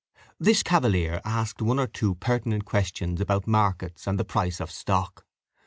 This cavalier asked one or two pertinent questions about markets and the price of stock.